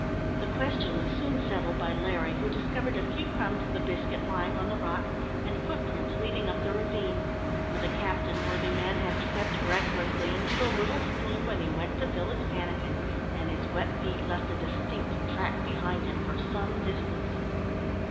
The question was soon settled by Larry, who discovered a few crumbs of the biscuit lying on the rock, and footprints leading up the ravine; for the captain, worthy man, had stepped recklessly into the little stream when he went to fill his pannikin, and his wet feet left a distinct track behind him for some distance.